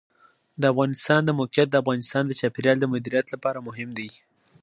د افغانستان د موقعیت د افغانستان د چاپیریال د مدیریت لپاره مهم دي.